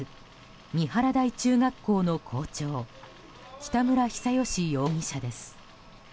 三原台中学校の校長北村比左嘉容疑者です。